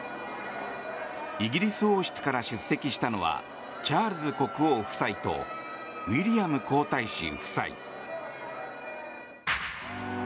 イギリス王室から出席したのはチャールズ国王夫妻とウィリアム皇太子夫妻。